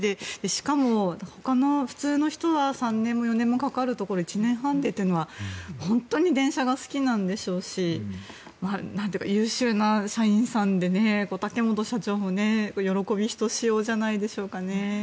しかもほかの普通の人は３年も４年もかかるところを１年半でというのは本当に電車が好きなんでしょうし優秀な社員さんで竹本社長も喜びひとしおじゃないでしょうかね。